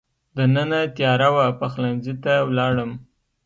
دننه تېاره وه، پخلنځي ته ولاړم.